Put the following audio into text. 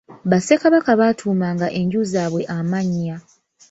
Bassekabaka baatuumanga enju zaabwe amannya.